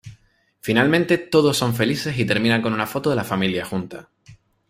Finalmente, todos son felices y termina con una foto de la familia junta.